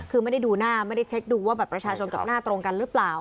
คือไม่ได้ดูหน้าไม่ได้เช็คดูว่าแบบประชาชนกับหน้าตรงกันหรือเปล่า